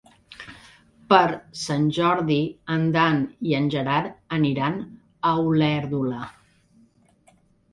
Per Sant Jordi en Dan i en Gerard aniran a Olèrdola.